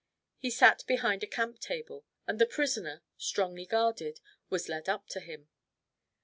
He sat behind a camp table, and the prisoner, strongly guarded, was led up to him.